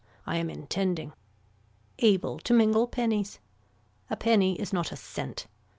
I am intending. Able to mingle pennies. A penny is not a cent.